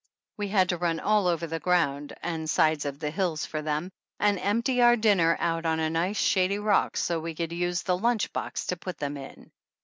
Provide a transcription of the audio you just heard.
We had to run all over the ground and sides of the hills for them, and empty our dinner out on a nice, shady rock, so we could use the lunch box to put them in.